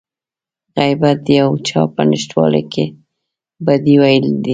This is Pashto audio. غيبت د يو چا په نشتوالي کې بدي ويل دي.